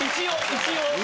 一応。